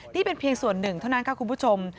นี่เป็นเพียงส่วนหนึ่งเท่านั้นค่ะคุณผู้ชม